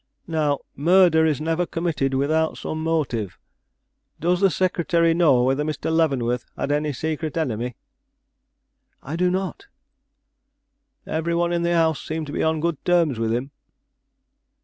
Now, murder is never committed without some motive. Does the secretary know whether Mr. Leavenworth had any secret enemy?" "I do not." "Every one in the house seemed to be on good terms with him?"